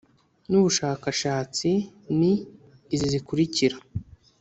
n ubushakashatsi ni izi zikurikira